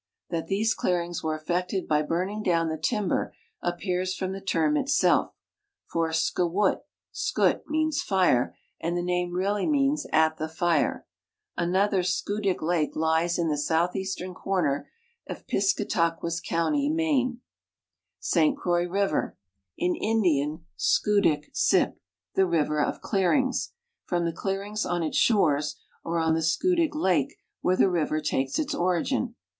That these clearings were effected bj' burning down the timber appears from the tei*m itself; for skWut, skut means fire, and the name really means " at the fire." Another SkiidiJc lake lies in the southeastern corner of Piscataquis county, Maine. . St Croix river, in Indian Skudik sip, " the river of clearings ;" from the clearings on its shores or on the Skudik lake, where the river takes its origin.